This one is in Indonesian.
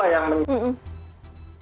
yang mencoba untuk mencoba untuk mencoba